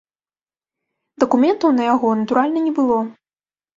Дакументаў на яго, натуральна, не было.